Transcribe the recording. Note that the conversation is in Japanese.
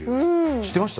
知ってました？